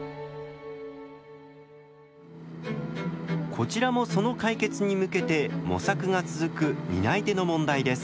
こちらもその解決に向けて模索が続く担い手の問題です。